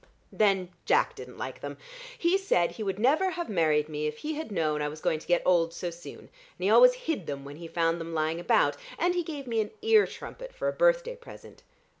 Then Jack didn't like them; he said he would never have married me if he had known I was going to get old so soon, and he always hid them when he found them lying about, and he gave me an ear trumpet for a birthday present.